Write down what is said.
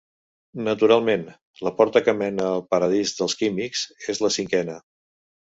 Naturalment, la porta que mena al paradís dels químics és la cinquena.